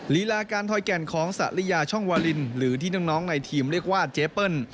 ลีลาการทอยแก่นของสริยาช่องวาลินหรือที่น้องในทีมเรียกว่าเจเปิ้ล